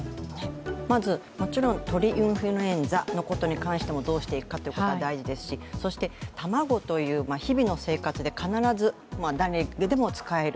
まず、もちろん鳥インフルエンザのことに関してもどうしていくかってことが大事ですしそして卵という日々の生活で必ず誰でも使える